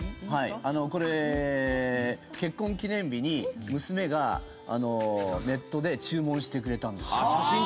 これ結婚記念日に娘がネットで注文してくれたんです。